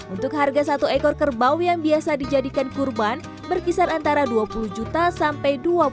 untuk harga satu ekor kerbau yang biasa dijadikan kurban berkisar antara dua puluh juta sampai dua puluh